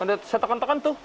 kondet setekan tekan tuh